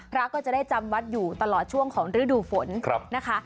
พระก็จะได้จำวัดอยู่ตลอดช่วงของฤดูฝนนะคะ